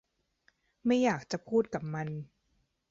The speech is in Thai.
ไม่อยากจะพูดกับมัน